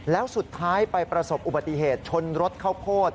แล้วสุดท้ายไปประสบอุบัติเหตุชนรถข้าวโพด